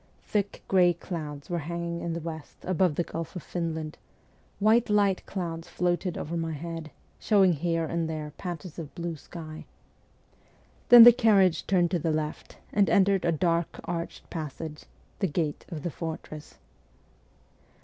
Thick grey clouds were hanging in the west above the Gulf of Finland, while light clouds floated over my head, showing here and there patches of blue sky. Then the carriage turned to the left and entered a dark arched passage, the gate of the fortress.